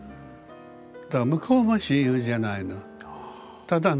だから向こうも親友じゃないの。